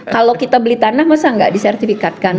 kalau kita beli tanah masa nggak disertifikatkan